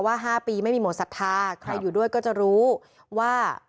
๕ปีไม่มีหมดศรัทธาใครอยู่ด้วยก็จะรู้ว่า